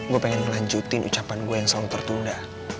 gue pengen ngelanjutin ucapan gue yang selalu tertunda